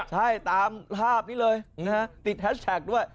ใช่ตามภาพนี้เลยนะฮะติดแฮชแท็กด้วย